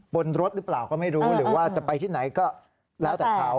บนรถหรือเปล่าก็ไม่รู้หรือว่าจะไปที่ไหนก็แล้วแต่เขา